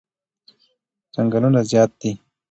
چنگلونه زیاد دی